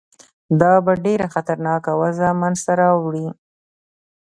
دا به ډېره خطرناکه وضع منځته راوړي.